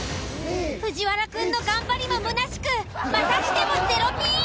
藤原くんの頑張りもむなしくまたしても０ピン。